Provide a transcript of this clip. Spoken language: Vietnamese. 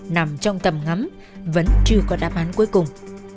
nằm trong tầm ngắm vẫn chưa có đáp án cuối cùng